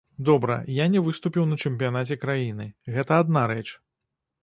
Добра, я не выступіў на чэмпіянаце краіны, гэта адна рэч.